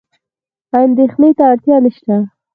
اندېښنې ته اړتیا نشته.